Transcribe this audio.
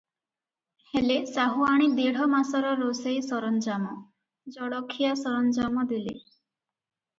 ହେଲେ, ସାହୁଆଣୀ ଦେଢ଼ ମାସର ରୋଷେଇ ସରଞ୍ଜାମ, ଜଳଖିଆ ସରଞ୍ଜାମ ଦେଲେ ।